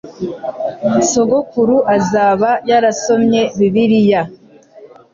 Sogokuru azaba yarasomye Bibiliya